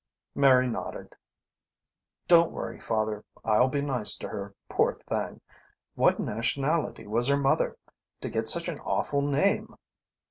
Mary nodded. "Don't worry, father. I'll be nice to her, poor thing. What nationality was her mother? to get such an awful name."